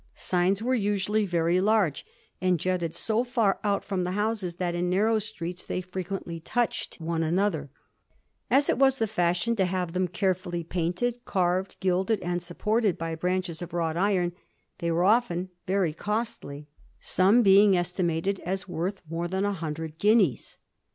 Signs were usually very large, and jutted so far out from the houses that in narrow streets they fi*equently touched Digiti zed by Google 1714 ' NOT WITHOUT DANGER WALK THESE STREETS/ 93 one another. As it was the fashion to have them carefully painted, carved, gilded, and supported by branches of wrought iron, they were often very costly, some being estimated as worth more than a hundred guineas.